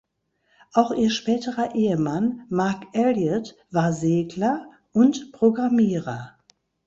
Auch ihr späterer Ehemann Mark Elliot war Segler und Programmierer.